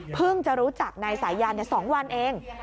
จะรู้จักนายสายัน๒วันเอง